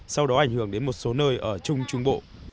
sau đó ảnh hưởng đến một số nơi ở trung trung bộ